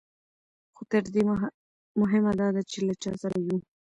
خو تر دې مهمه دا ده چې له چا سره یو.